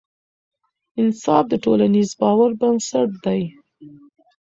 انصاف د ټولنیز باور بنسټ دی